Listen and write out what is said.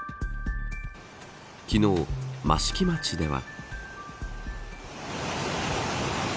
昨日、益城町では。